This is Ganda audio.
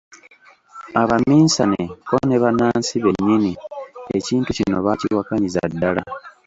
Abaminsane ko ne Bannansi bennyini ekintu kino baakiwakanyiza ddala.